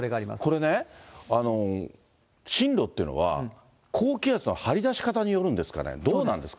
これね、進路っていうのは、高気圧の張り出し方によるんですかね、どうなんですか。